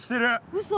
うそ？